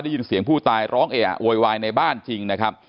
ได้ยินเสียงผู้ตายร้องเออะโวยวายในบ้านจริงนะครับ